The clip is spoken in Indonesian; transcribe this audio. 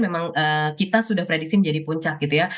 memang kita sudah prediksi menjadi puncak gitu ya